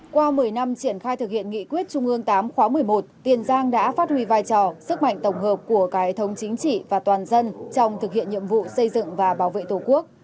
qua một mươi năm triển khai thực hiện nghị quyết trung ương tám khóa một mươi một tiền giang đã phát huy vai trò sức mạnh tổng hợp của cải thống chính trị và toàn dân trong thực hiện nhiệm vụ xây dựng và bảo vệ tổ quốc